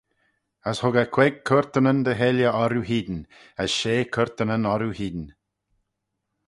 As hug eh queig curtanyn dy cheilley orroo hene, as shey curtanyn orroo hene.